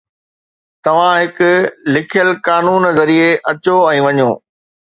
توهان هڪ لکيل قانون ذريعي اچو ۽ وڃو